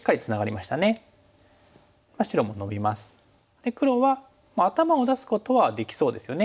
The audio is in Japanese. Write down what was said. で黒は頭を出すことはできそうですよね。